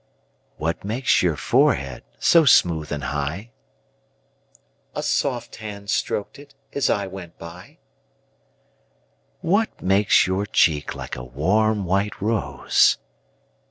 What makes your forehead so smooth and high?A soft hand strok'd it as I went by. What makes your cheek like a warm white rose?